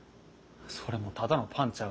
それもただのパンちゃう。